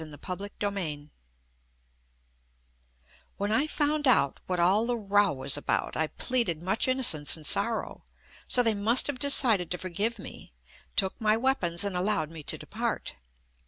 JUST ME When I found out what all the row was about, I pleaded much innocence and sorrow, so they must have decided to forgive me, took my weapons and allowed me to depart.